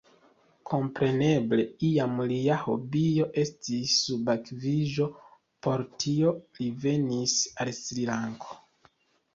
Kompreneble, iam lia hobio estis subakviĝo: por tio li venis al Sri-Lanko.